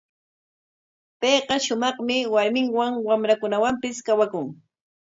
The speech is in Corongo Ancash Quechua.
Payqa shumaqmi warminwan, wamrankunawanpis kawakun.